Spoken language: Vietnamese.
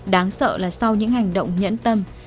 đáng sợ là sau những hành động nhẫn tâm